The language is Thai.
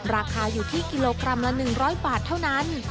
ราคาอยู่ที่กิโลกรัมละ๑๐๐บาทเท่านั้น